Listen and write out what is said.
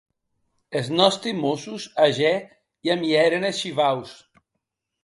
Es nòsti mossos ager i amièren es shivaus.